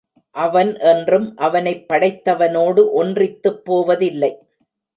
அவன் என்றும் அவனைப் படைத்தவனோடு ஒன்றித்துப் போவதில்லை.